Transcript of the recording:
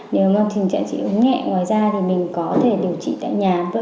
nếu mà tình trạng dị ứng nhẹ ngoài da thì mình có thể điều trị tại nhà